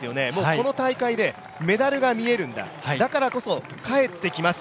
この大会で、メダルが見えるんだ、だからこそ、帰ってきます。